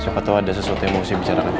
siapa tahu ada sesuatu yang mau saya bicarakan